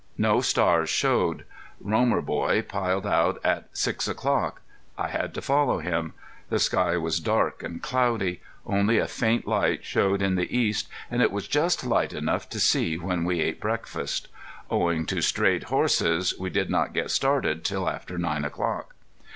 No stars showed. Romer boy piled out at six o'clock. I had to follow him. The sky was dark and cloudy. Only a faint light showed in the east and it was just light enough to see when we ate breakfast. Owing to strayed horses we did not get started till after nine o'clock.